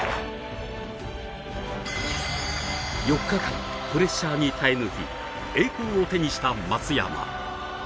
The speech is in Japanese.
４日間、プレッシャーに耐え抜き栄光を手にした松山。